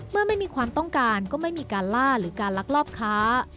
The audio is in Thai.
ไม่มีความต้องการก็ไม่มีการล่าหรือการลักลอบค้า